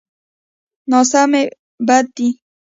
ناسمي بد دی.